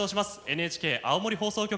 ＮＨＫ青森放送局